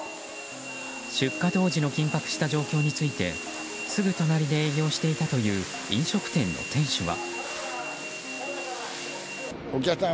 出火当時の緊迫した状況についてすぐ隣で営業していたという飲食店の店主は。